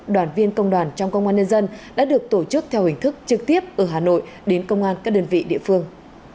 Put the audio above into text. đoàn viên công đoàn trong công an nhân dân đã được tổ chức theo hình thức trực tiếp ở hà nội đến công an các đơn vị địa phương